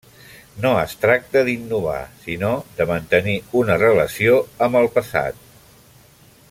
No es tracta d'innovar sinó de mantenir una relació amb el passat.